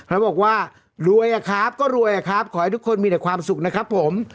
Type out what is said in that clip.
แล้วบอกว่ารวยอะครับก็รวยอะครับขอให้ทุกคนมีแต่ความสุขนะครับผม